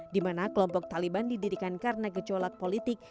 di mana kelompok taliban didirikan karena gejolak politik